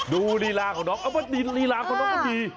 ดูดีลาของน้องดีดีลาของน้องก็ดี